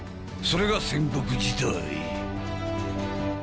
それが戦国時代。